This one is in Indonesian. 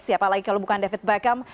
siapa lagi kalau bukan david beckham